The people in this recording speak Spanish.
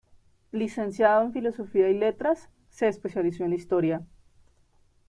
Licenciado en Filosofía y Letras, se especializó en Historia.